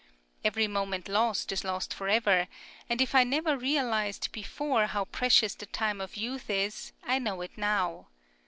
Every moment lost, is lost for ever, and if I never realised before how precious the time of youth is, I know it now.